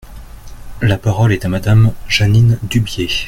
La parole est à Madame Jeanine Dubié.